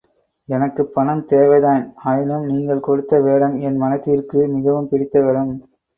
எனக்கு பணம் தேவைதான், ஆயினும் நீங்கள் கொடுத்த வேடம் என் மனதிற்கு மிகவும் பிடித்த வேடம்.